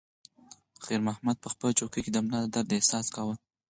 خیر محمد په خپله چوکۍ کې د ملا د درد احساس کاوه.